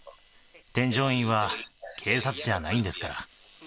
添乗員は警察じゃないんですから。